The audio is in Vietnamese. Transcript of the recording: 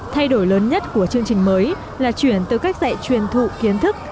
thay đổi lớn nhất của chương trình mới là chuyển từ cách dạy truyền thụ kiến thức